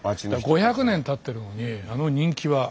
５００年たってるのにあの人気は。